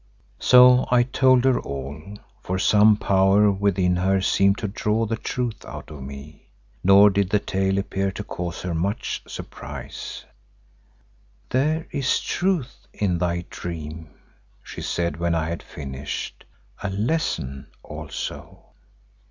So I told her all, for some power within her seemed to draw the truth out of me. Nor did the tale appear to cause her much surprise. "There is truth in thy dream," she said when I had finished; "a lesson also."